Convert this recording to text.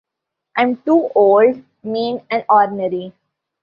I'm too old, mean and ornery.